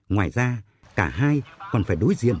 ngoài ra cả hai còn phải đối diện